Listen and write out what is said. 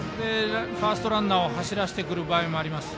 ファーストランナーを走らせてくる場合もあります。